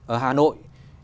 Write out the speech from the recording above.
ở hà nội